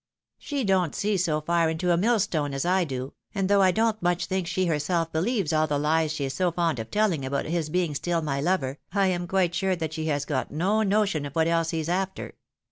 She don't see so far into a millstone as I do, and though I don't much think she herself believes all the lies she is so fond of telhng about his being still my loTer, I am quite sure that she has got no notion of what else he's after.